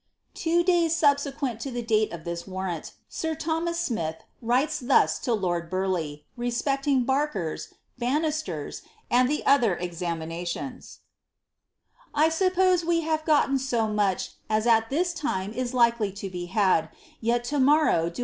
'*• Two days subsequent to the date of this warrant, sir Thomas Smith vriles thus to lord Burleigh, respecting Barker^s, Banister's, and the other examinations :— ■I Bupfiose we have gotten so much as at this time is likoly to be had, yet to 'Toe details of this fooli!